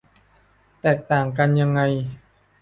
แตกต่างกันยังไง